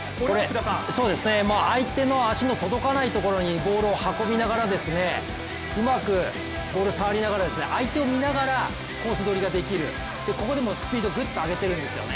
相手の足の届かないところにボールを運びながらうまくボール触りながら、相手を見ながらコース取りができる、ここでもスピードをぐっと上げてるんですよね。